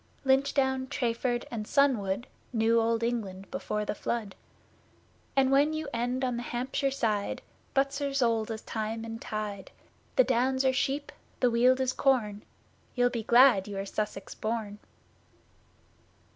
Linch Down, Treyford and Sunwood Knew Old England before the Flood. And when you end on the Hampshire side Butser's old as Time and Tide. The Downs are sheep, the Weald is corn, You be glad you are Sussex born!